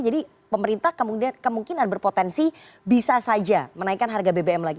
jadi pemerintah kemungkinan berpotensi bisa saja menaikkan harga bbm lagi